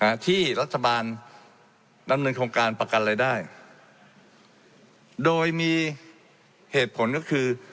ที่รัฐบาลดำเนินโครงการประกันรายได้โดยมีเหตุผลก็คือ